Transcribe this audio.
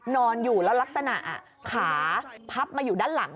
นอนอยู่แล้วลักษณะขาพับมาอยู่ด้านหลัง